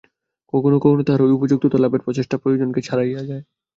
কখনও কখনও তাহার ঐ উপযুক্ততা লাভের প্রচেষ্টা প্রয়োজনকে ছাড়াইয়া যায়।